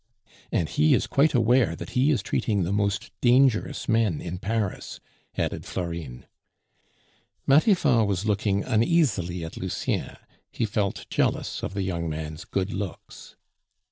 "And he is quite aware that he is treating the most dangerous men in Paris," added Florine. Matifat was looking uneasily at Lucien; he felt jealous of the young man's good looks.